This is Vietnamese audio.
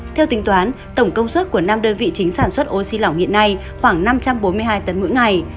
theo tính toán tổng công suất của năm đơn vị chính sản xuất oxy lỏng hiện nay khoảng năm trăm bốn mươi hai tấn mỗi ngày